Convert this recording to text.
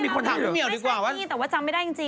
ไม่ใช่มีแต่ว่าจำไม่ได้จริง